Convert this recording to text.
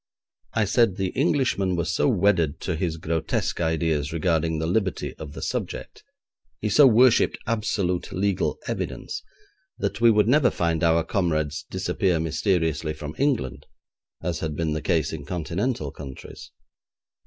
I said the Englishman was so wedded to his grotesque ideas regarding the liberty of the subject he so worshipped absolute legal evidence, that we would never find our comrades disappear mysteriously from England as had been the case in continental countries.